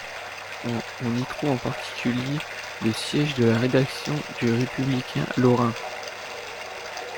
On y trouve en particulier le siège de la rédaction du Républicain lorrain.